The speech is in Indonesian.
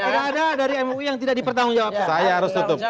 tidak ada dari mui yang tidak dipertanggung jawab